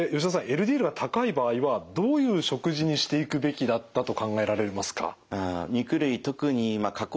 ＬＤＬが高い場合はどういう食事にしていくべきだったと考えられますか？